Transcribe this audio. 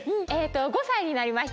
５さいになりました。